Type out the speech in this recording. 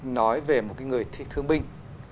nói về một người thương binh